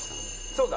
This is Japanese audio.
そうだ。